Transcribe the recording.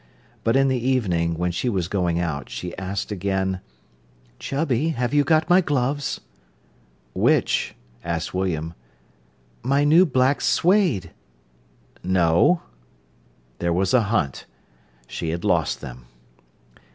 But in the evening, when she was going out, she asked again: "Chubby, have you got my gloves?" "Which?" asked William. "My new black suède." "No." There was a hunt. She had lost them.